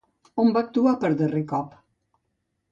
On va actuar per darrer cop?